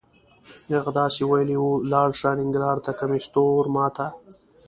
هغه داسې ویلې وه: لاړ شه ننګرهار ته کمیس تور ما ته.